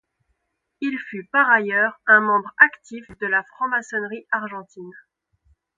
Il fut par ailleurs un membre actif de la franc-maçonnerie argentine.